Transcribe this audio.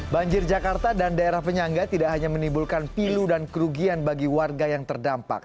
banjir jakarta dan daerah penyangga tidak hanya menimbulkan pilu dan kerugian bagi warga yang terdampak